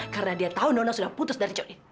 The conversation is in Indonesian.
karena dia tau nona sudah putus dari jodoh